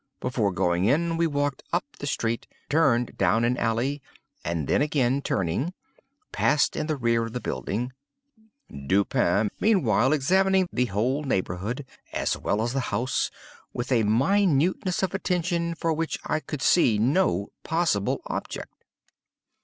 _ Before going in we walked up the street, turned down an alley, and then, again turning, passed in the rear of the building—Dupin, meanwhile examining the whole neighborhood, as well as the house, with a minuteness of attention for which I could see no possible object.